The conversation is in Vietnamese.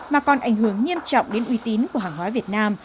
mà còn ảnh hưởng nghiêm trọng đến uy tín của hàng hóa việt nam